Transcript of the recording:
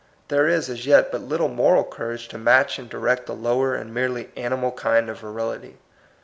There is as yet but little moral courage to match and direct the lower and merely animal kind of virility.